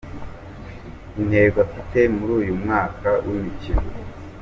Intego afite muri uyu mwaka w’imikino.